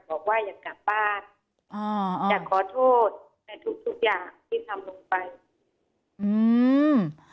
บอกว่าอยากกลับบ้านอ่าอยากขอโทษในทุกทุกอย่างที่ทำลงไปอืม